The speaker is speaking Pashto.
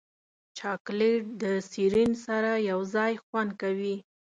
چاکلېټ د سیرین سره یوځای خوند کوي.